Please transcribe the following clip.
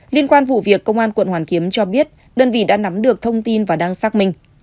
liên quan vụ việc công an quận hoàn kiếm cho biết đơn vị đã nắm được thông tin và đang xác minh